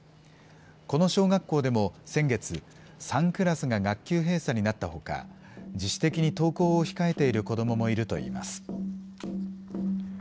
この小学校でも先月、３クラスが学級閉鎖になったほか、自主的に登校を控えている子どももいるといいます。